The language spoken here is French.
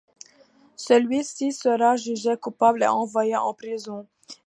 Celui-ci sera jugé coupable et envoyé en prison.